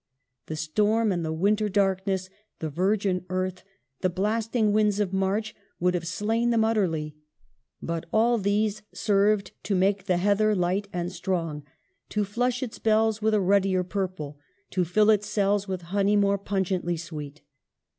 The storm and the winter darkness, the virgin earth, the blasting winds of March, would have slain them utterly ; but all these served to make the heather light and strong, to flush its bells with a ruddier purple, to fill its cells with honey more pungently sweet.